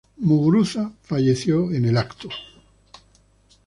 Muguruza falleció en el acto.